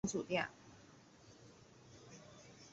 这是海航酒店集团在北京的第二家酒店。